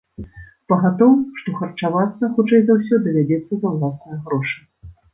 Пагатоў, што харчавацца, хутчэй за ўсё, давядзецца за ўласныя грошы.